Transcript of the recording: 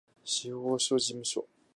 司法書士事務所